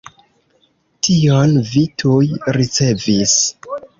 Tion vi tuj ricevis.